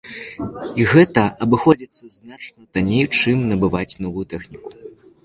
І гэта абыходзіцца значна танней, чым набываць новую тэхніку.